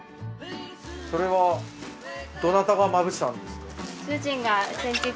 それはどなたがまぶしたんですか？